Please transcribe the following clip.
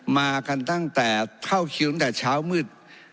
มากันตั้งแต่เข้าคิวตั้งแต่เช้ามืด